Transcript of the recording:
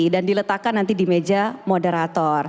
diletakkan nanti di meja moderator